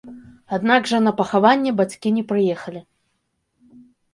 Аднак жа на пахаванне бацькі не прыехалі.